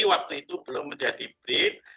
waktu itu belum menjadi brin